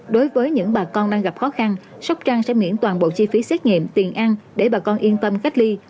đối với những bà con đang gặp khó khăn sóc trăng sẽ miễn toàn bộ chi phí xét nghiệm tiền ăn để bà con yên tâm cách ly